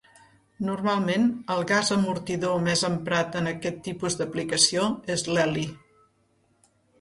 Normalment el gas amortidor més emprat en aquest tipus d'aplicació és l'heli.